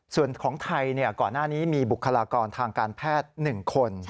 ส่วนของไทยก่อนหน้านี้มีบุคลากรทางการแพทย์๑คน